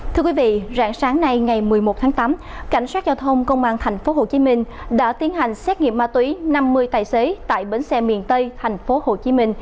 thưa quý vị rạng sáng nay ngày một mươi một tháng tám cảnh sát giao thông công an tp hcm đã tiến hành xét nghiệm ma túy năm mươi tài xế tại bến xe miền tây tp hcm